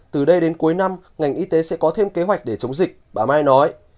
từ đây đến cuối năm ngành y tế sẽ có thêm kế hoạch để chống dịch bà mai nói